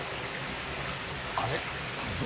あれ？